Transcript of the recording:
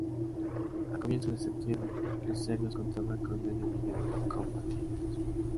A comienzos de septiembre, los serbios contaban con medio millón de combatientes.